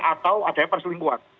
atau adanya perselingkuhan